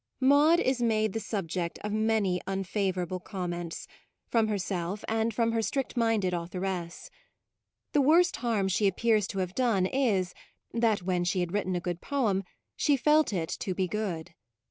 Maude is made the subject of many unfavourable comments, from PREFATORY NOTE herself and from her strict minded authoress. The worst harm she ap pears to have done is, that when she had written a good poem, she felt it to be good.